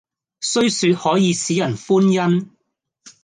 雖說可以使人歡欣，